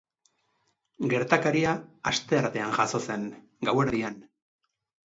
Gertakaria asteartean jazo zen, gauerdian.